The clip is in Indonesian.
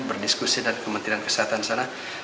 berdiskusi dengan kementerian kesehatan sana